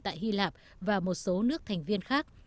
tại hy lạp và một số nước thành viên khác